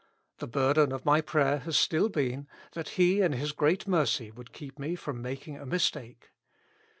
The burden of my prayer has still beeu , that He in His great mercy would keep me from making a mistake.